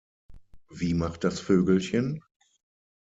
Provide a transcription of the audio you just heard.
Wie macht das Vögelchen?